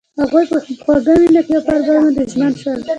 هغوی په خوږ مینه کې پر بل باندې ژمن شول.